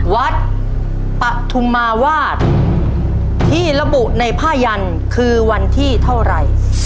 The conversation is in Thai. ปฐุมมาวาดที่ระบุในผ้ายันคือวันที่เท่าไหร่